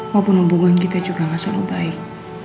maupun hubungan kita juga gak selalu baik